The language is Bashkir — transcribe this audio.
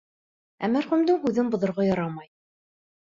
Ә мәрхүмдең һүҙен боҙорға ярамай.